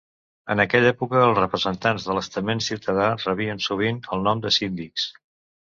En aquella època els representants de l'estament ciutadà rebien sovint el nom de síndics.